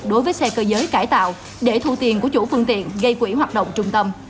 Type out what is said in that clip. đối với xe cơ giới cải tạo để thu tiền của chủ phương tiện gây quỹ hoạt động trung tâm